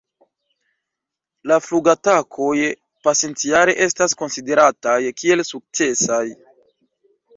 La flugatakoj pasintjare estas konsiderataj kiel sukcesaj.